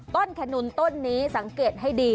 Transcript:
ต้นแคะนุ่นต้นนี้สังเกตให้ดี